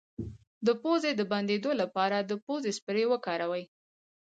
د پوزې د بندیدو لپاره د پوزې سپری وکاروئ